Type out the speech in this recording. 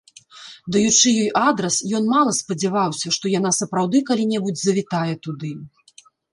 Даючы ёй адрас, ён мала спадзяваўся, што яна сапраўды калі-небудзь завітае туды.